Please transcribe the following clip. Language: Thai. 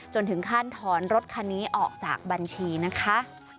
ถึงขั้นถอนรถคันนี้ออกจากบัญชีนะคะ